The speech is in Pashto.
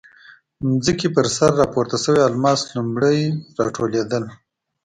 ځمکې پر سر راپورته شوي الماس لومړی راټولېدل.